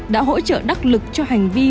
đã hỗ trợ đắc lực cho hành vi